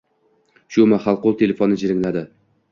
Shu mahal qo‘l telefoni jiringladi: